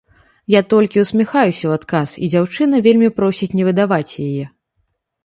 Я толькі ўсміхаюся ў адказ, і дзяўчына вельмі просіць не выдаваць яе.